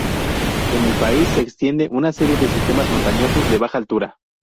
En el país se extienden una serie de sistemas montañosos de baja altura.